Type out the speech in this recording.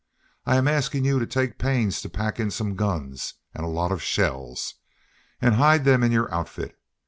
I am asking you to take pains to pack in some guns and a lot of shells. And hide them in your outfit.